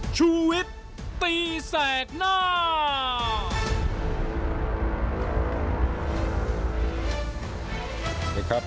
ชุวิตตีแสดหน้า